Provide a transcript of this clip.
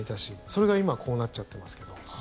それが今こうなっちゃってますけど。